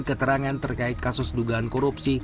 keterangan terkait kasus dugaan korupsi